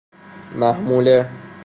محموله